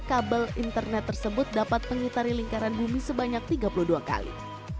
kabel internet tersebut dapat mengitari lingkaran bumi sebanyak tiga puluh dua kali